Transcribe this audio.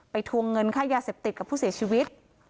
ทวงเงินค่ายาเสพติดกับผู้เสียชีวิต